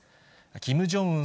キム・ジョンウン